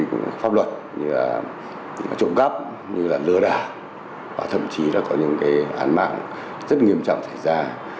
quy định pháp luật như là trộm gắp như là lừa đả và thậm chí nó có những cái án mạng rất nghiêm trọng xảy ra